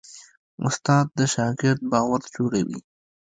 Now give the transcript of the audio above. استاد د شاګرد باور جوړوي.